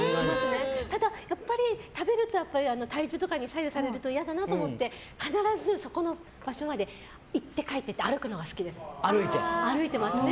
ただ、やっぱり食べると体重とかに左右すると嫌だなと思って必ずそこの場所まで行って帰って歩くのが好きです。